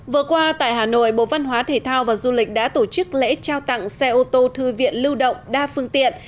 vừa qua tại hà nội bộ văn hóa thể thao và du lịch đã tổ chức lễ trao tặng xe ô tô thư viện lưu động đa phương tiện